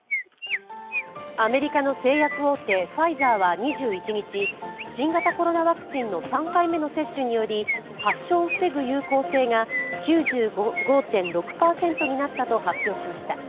アメリカの製薬大手、ファイザーは２１日、新型コロナワクチンの３回目の接種により発症を防ぐ有効性が９５．６％になったと発表しました。